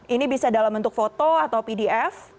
ini bisa dalam bentuk foto atau pdf